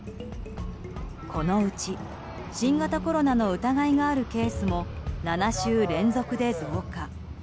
このうち新型コロナの疑いがあるケースも７週連続で増加。